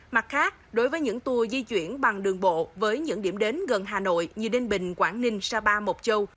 mặt khác đối với những tour di chuyển bằng đường bộ với những điểm đến gần hà nội như ninh bình quảng ninh sapa mộc châu